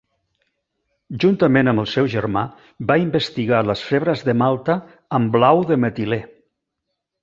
Juntament amb el seu germà va investigar les febres de Malta amb blau de metilè.